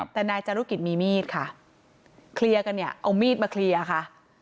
แต่นายจารุกิจมีมีดค่ะเคลียร์กันเนี่ยเอามีดมาเคลียร์ค่ะ